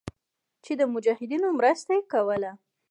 چې د مجاهدينو مرسته ئې کوله.